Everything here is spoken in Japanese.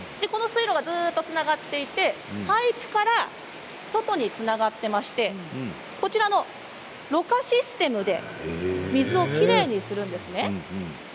水路がつながっていてパイプから外につながっていましてこちらのろ過システムで水をきれいにするんですね。